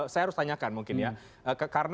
saya harus tanyakan mungkin